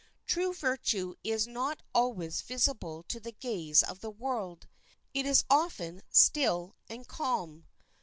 True virtue is not always visible to the gaze of the world. It is often still and calm.